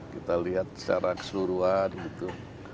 kita lihat secara keseluruhan gitu